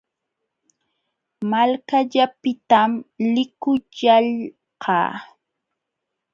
Malkallaapitam likullalqaa.